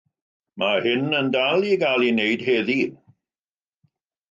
Mae hyn yn dal i gael ei wneud heddiw.